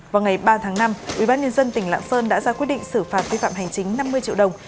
vào ngày ba tháng năm ubnd tỉnh lạng sơn đã ra quyết định xử phạt vi phạm hành chính năm mươi triệu đồng